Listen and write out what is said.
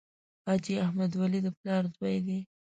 حاجي احمد ولي د پلار زوی دی.